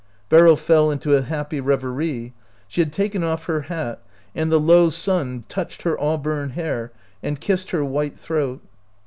Beryl fell into a happy reverie. She had taken off her hat, and the low sun touched her auburn hair and kissed her white throat.